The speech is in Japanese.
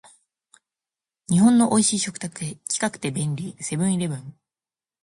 日本の美味しい食卓へ、近くて便利、セブンイレブン